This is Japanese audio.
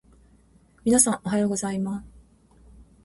皆さん、おはようございます。